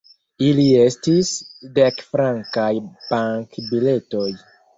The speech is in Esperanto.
Ili estis dekfrankaj bankbiletoj.